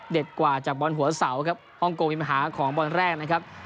กว่าจากบอลหัวเสาครับฮ่องกงมีปัญหาของบอลแรกนะครับ